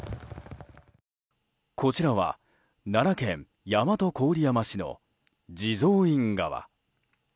こちらは奈良県大和郡山市の地蔵院川。